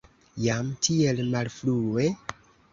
Jam tiel malfrue?